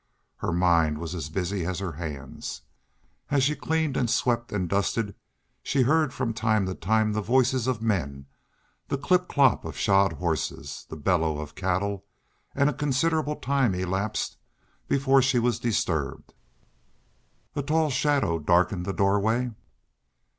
Her mind was as busy as her hands. As she cleaned and swept and dusted she heard from time to time the voices of men, the clip clop of shod horses, the bellow of cattle. And a considerable time elapsed before she was disturbed. A tall shadow darkened the doorway.